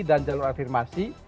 dan jalur afirmasi